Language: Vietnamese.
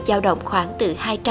giao động khoảng từ hai trăm linh